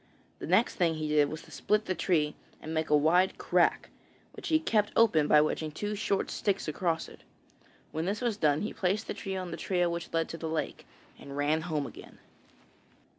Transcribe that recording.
The next thing he did was to split the tree and make a wide crack, which he kept open by wedging two short sticks across it. When this was done he placed the tree on the trail which led to the lake, and ran home again.